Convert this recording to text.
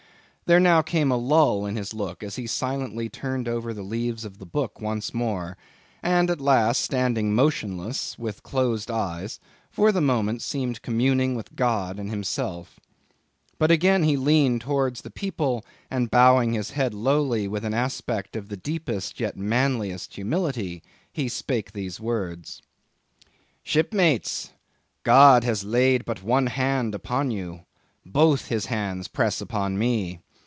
There now came a lull in his look, as he silently turned over the leaves of the Book once more; and, at last, standing motionless, with closed eyes, for the moment, seemed communing with God and himself. But again he leaned over towards the people, and bowing his head lowly, with an aspect of the deepest yet manliest humility, he spake these words: "Shipmates, God has laid but one hand upon you; both his hands press upon me.